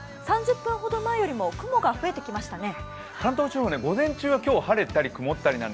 ３０分ほど前よりも雲が増えてきましたね。